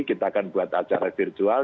kita akan buat acara virtual